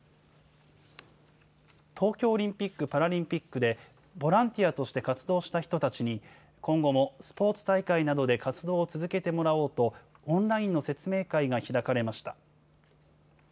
東京オリンピック・パラリンピックで、ボランティアとして活動した人たちに、今後もスポーツ大会などで活動を続けてもらおうと、オンラインの説明会が開かれました。